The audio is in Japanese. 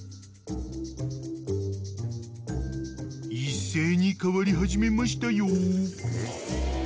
［一斉に変わり始めましたよ］